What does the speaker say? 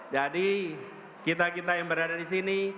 jadi kita kita yang berada di sini